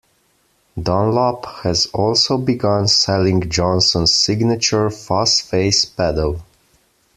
Dunlop has also begun selling Johnson's signature Fuzz Face pedal.